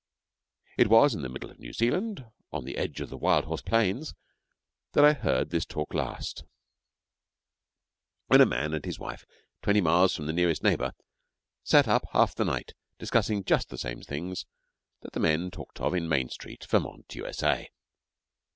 It was in the middle of New Zealand, on the edge of the Wild horse plains, that I heard this talk last, when a man and his wife, twenty miles from the nearest neighbour, sat up half the night discussing just the same things that the men talked of in Main Street, Vermont, U.S.A.